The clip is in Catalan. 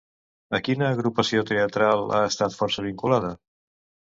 A quina agrupació teatral ha estat força vinculada?